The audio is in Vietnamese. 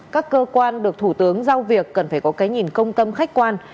các cơ quan được thủ tướng giao việc cần phải có cái nhìn công tâm khách quan